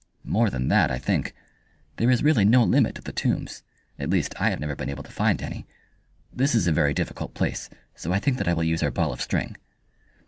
"More than that, I think. There is really no limit to the tombs at least, I have never been able to find any. This is a very difficult place, so I think that I will use our ball of string."